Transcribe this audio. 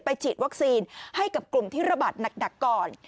ฉีดวัคซีนให้กับกลุ่มที่ระบาดหนักก่อน